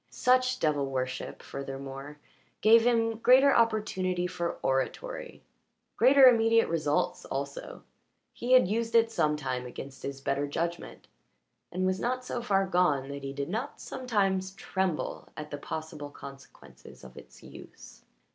Such devil worship, furthermore, gave him greater opportunity for oratory, greater immediate results also; he had used it sometimes against his better judgment, and was not so far gone that he did not sometimes tremble at the possible consequences of its use.